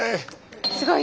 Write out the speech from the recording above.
すごい。